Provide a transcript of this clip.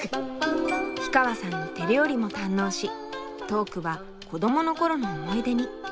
氷川さんの手料理も堪能しトークは子どもの頃の思い出に。